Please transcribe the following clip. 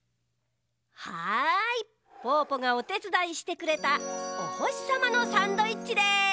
はいぽぅぽがおてつだいしてくれたおほしさまのサンドイッチです。